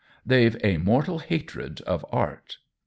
" They've a mortal hatred of art